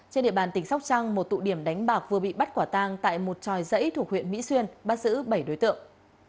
trên địa bàn tỉnh sóc trăng một tụ điểm đánh bạc vừa bị bắt quả tang tại một tròi dãy thuộc huyện mỹ xuyên bắt giữ bảy đối tượng